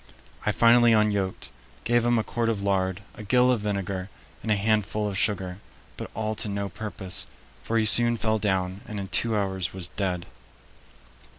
I finally unyoked, gave him a quart of lard, a gill of vinegar, and a handful of sugar, but all to no purpose, for he soon fell down and in two hours was dead."